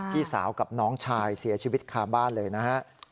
พี่สาวกับน้องชายเสียชีวิตคาบ้านเลยนะฮะ